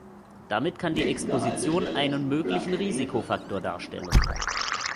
Damit kann die Exposition einen möglichen Risikofaktor darstellen.